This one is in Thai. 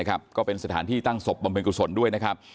ก็เป็นสถานที่ตั้งศพบำเพ็ญกุศลด้วยนะครับ